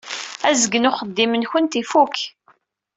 Azgen n uxeddim-nkent ifukk.